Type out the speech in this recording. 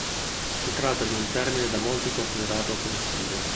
Si tratta di un termine da molti considerato offensivo.